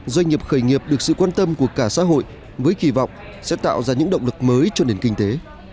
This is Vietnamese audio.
doanh nghiệp khởi nghiệp được sự quan tâm của cả xã hội với kỳ vọng sẽ tạo ra những động lực mới cho nền kinh tế